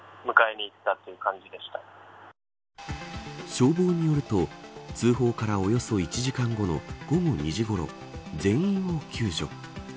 消防によると通報からおよそ１時間後の午後２時ごろ、全員を救助。